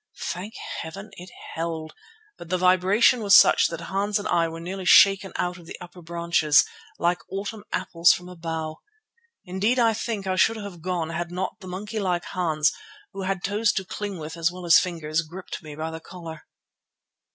Thank Heaven! it held, but the vibration was such that Hans and I were nearly shaken out of the upper branches, like autumn apples from a bough. Indeed, I think I should have gone had not the monkey like Hans, who had toes to cling with as well as fingers, gripped me by the collar.